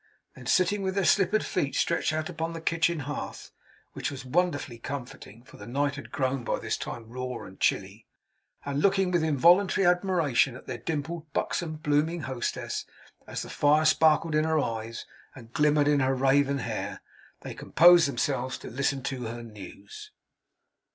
Then, sitting with their slippered feet stretched out upon the kitchen hearth (which was wonderfully comforting, for the night had grown by this time raw and chilly), and looking with involuntary admiration at their dimpled, buxom, blooming hostess, as the firelight sparkled in her eyes and glimmered in her raven hair, they composed themselves to listen to her news.